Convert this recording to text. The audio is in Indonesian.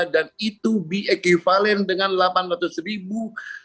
dan itu biequivalent dengan delapan ratus ribu